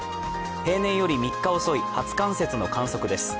平年より３日遅い初冠雪の観測です。